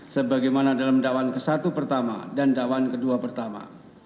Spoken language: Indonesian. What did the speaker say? sebagaimana dalam dakwaan ke satu pertama dan dakwaan kedua pertama